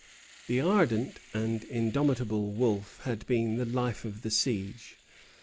The ardent and indomitable Wolfe had been the life of the siege.